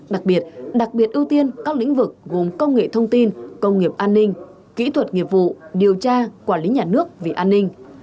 đặc biệt đặc biệt ưu tiên các lĩnh vực gồm công nghệ thông tin công nghiệp an ninh kỹ thuật nghiệp vụ điều tra quản lý nhà nước vì an ninh